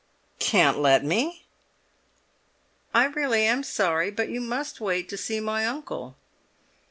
"Can't let me?" "I really am sorry—but you must wait to see my uncle."